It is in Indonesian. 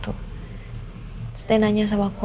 terus dia nanya sama aku